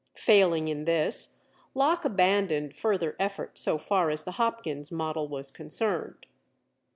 Failing in this, Locke abandoned further effort so far as the Hopkins' model was concerned.